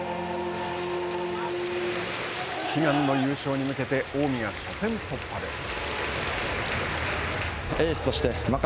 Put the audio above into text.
悲願の優勝に向けて近江が初戦突破です。